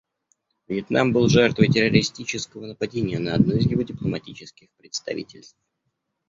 Вьетнам был жертвой террористического нападения на одно из его дипломатических представительств.